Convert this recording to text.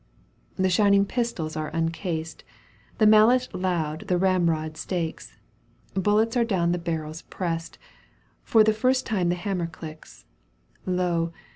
The shining pistols are uncased, The maUet loud the ramrod strikes, Bullets are down the barreb pressed, For the first time the hammer clicks. Lo